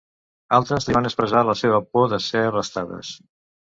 Altres li van expressar la seva por de ser arrestades.